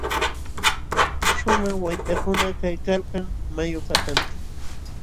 Śhumaq waytakuna kaykalkan mayu patanćhu.